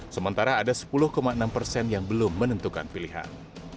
sementara ada sepuluh enam persen yang belum menentukan pilihan